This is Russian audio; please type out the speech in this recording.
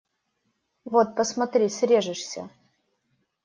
Вот, посмотри, срежешься!..